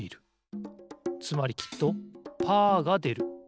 つまりきっとパーがでる。